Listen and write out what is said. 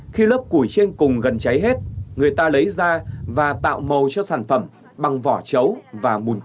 khi lớp củi trên cùng gần cháy hết người ta lấy ra và tạo màu cho sản phẩm bằng vỏ chấu và mùn